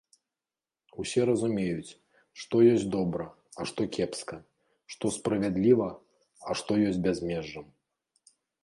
Усе разумеюць, што ёсць добра, а што кепска, што справядліва, а што ёсць бязмежжам.